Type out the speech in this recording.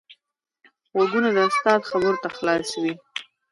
غوږونه د استاد خبرو ته خلاص وي